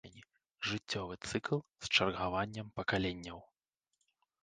Жыццёвы цыкл з чаргаваннем пакаленняў.